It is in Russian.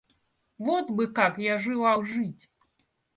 Вот бы как я желал жить!